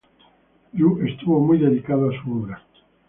Yu estuvo muy dedicado a su obra.